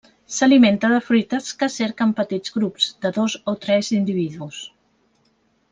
S'alimenta de fruites que cerca en petits grups, de dos o tres individus.